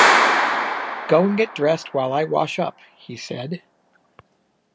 “Go and get dressed while I wash up,” he said.